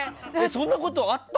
そんなことあった？